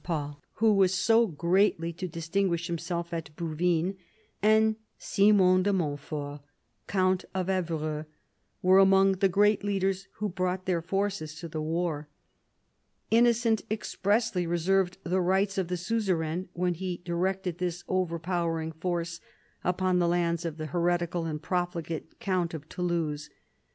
Pol, who was so greatly to distinguish himself at Bouvines, and Simon de Mont fort, count of Evreux, were among the great leaders who brought their forces to the war. Innocent expressly reserved the rights of the suzerain when he directed this overpowering force upon the lands of the here tical and profligate count of Toulouse.